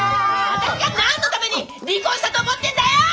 あたしが何のために離婚したと思ってんだよ！